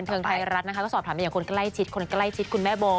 เทิงไทยรัฐนะคะก็สอบถามไปอย่างคนใกล้ชิดคนใกล้ชิดคุณแม่โบ